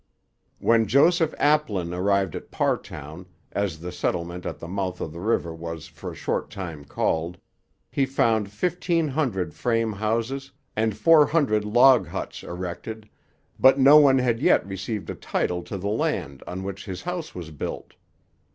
When Joseph Aplin arrived at Parrtown, as the settlement at the mouth of the river was for a short time called, he found 1,500 frame houses and 400 log huts erected, but no one had yet received a title to the land on which his house was built.